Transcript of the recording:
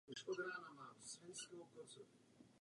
Z Anglie se vrátil s americkou armádou.